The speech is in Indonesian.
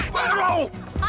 gitu pun lo ya